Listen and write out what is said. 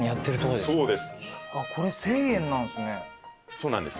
そうなんです